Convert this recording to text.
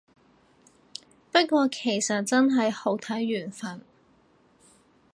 不過其實真係好睇緣份